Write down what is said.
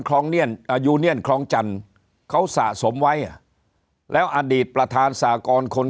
ยูเนียนคลองจันทร์เขาสะสมไว้อ่ะแล้วอดีตประธานสากรคน